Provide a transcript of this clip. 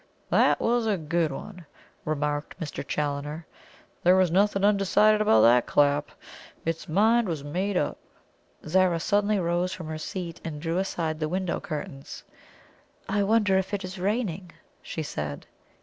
"That was a good one," remarked Mr. Challoner. "There was nothing undecided about that clap. Its mind was made up." Zara suddenly rose from her seat, and drew aside the window curtains. "I wonder if it is raining," she said.